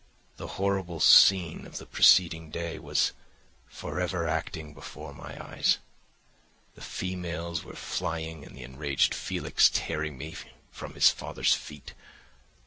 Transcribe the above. The horrible scene of the preceding day was for ever acting before my eyes; the females were flying and the enraged Felix tearing me from his father's feet.